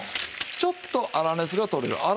ちょっと粗熱が取れる。